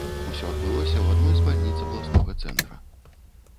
Усё адбылося ў адной з бальніц абласнога цэнтра.